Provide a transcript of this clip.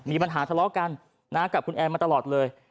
มีปัญหาทะเลาะกันกับคุณแอนมาตลอดเลย